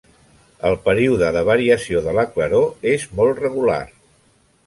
El període de variació de la claror és molt regular.